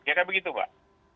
kira kira begitu pak